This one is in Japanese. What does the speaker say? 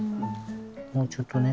もうちょっとね。